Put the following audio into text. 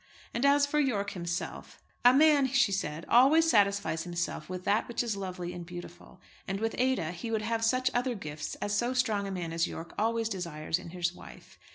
And as for Yorke himself; a man, she said, always satisfies himself with that which is lovely and beautiful. And with Ada he would have such other gifts as so strong a man as Yorke always desires in his wife.